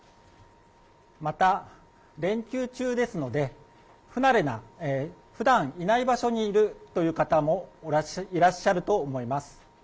また、連休中ですので、不慣れな、ふだんいない場所にいるという方もいらっしゃると思います。